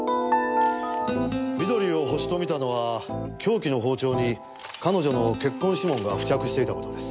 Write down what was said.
美登里をホシと見たのは凶器の包丁に彼女の血痕指紋が付着していた事です。